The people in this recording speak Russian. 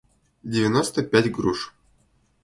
девяносто пять груш